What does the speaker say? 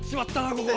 ここ。